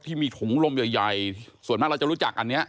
ที่มีถุงลมใหญ่ส่วนมากเราจะรู้จักอันนี้